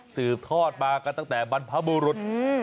สืบทอดมากันตั้งแต่บรรพบุรุษ